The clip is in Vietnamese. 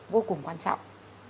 vô cùng quan trọng